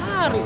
kan dua hari